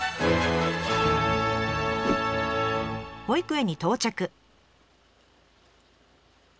保育園に到着。